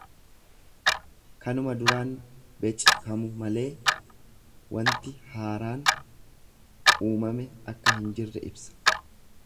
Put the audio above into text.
Kanuma duraan beckamu malee wanti haaraan uumame akka hin jirre ibsa.